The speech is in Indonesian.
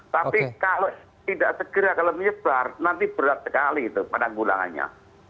tapi kalau tidak segera kalau menyebar nanti berat sekali itu penanggulangannya